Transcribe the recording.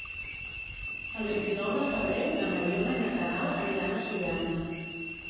El vint-i-nou de febrer na Mariona i na Queralt aniran a Sollana.